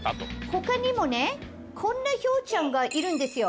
他にもねこんなひょうちゃんがいるんですよ。